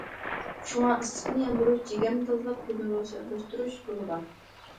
شۇڭا ئىسسىقنى ياندۇرۇش، جىگەرنى تازىلاپ، كۆزنى روشەنلەشتۈرۈش رولى بار.